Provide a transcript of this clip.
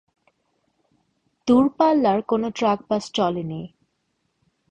দূরপাল্লার কোনো truck bus চলেনি।